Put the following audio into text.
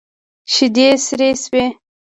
شيدې سرې شوې.